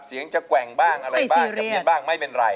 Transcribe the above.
เสียงจะแกว่งบ้างอะไรบ้างจะเบียดบ้างไม่เป็นไร